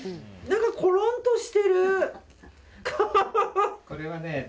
コロンとしてる。